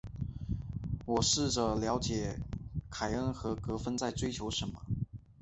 我试着了解凯恩和芬格在追求什么。